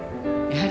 はい。